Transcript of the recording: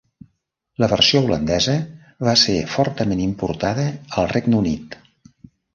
La versió holandesa va ser fortament importada al Regne Unit.